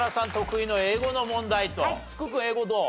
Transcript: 福君英語どう？